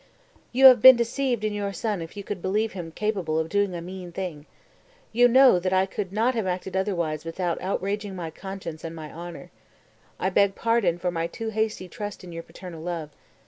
236. "You have been deceived in your son if you could believe him capable of doing a mean thing....You know that I could not have acted otherwise without outraging my conscience and my honor....I beg pardon for my too hasty trust in your paternal love.